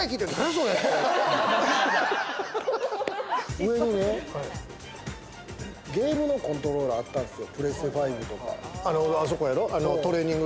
上のね、ゲームのコントローラーあったんですよ、プレステ５とか。